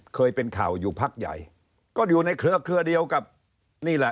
เคยเป็นข่าวอยู่พักใหญ่ก็อยู่ในเครือเครือเดียวกับนี่แหละ